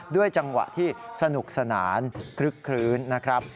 จังหวะที่สนุกสนานคลึกคลื้นนะครับ